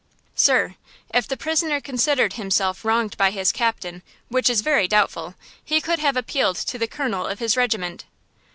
"Sir, if the prisoner considered himself wronged by his captain, which is very doubtful, he could have appealed to the Colonel of his Regiment!"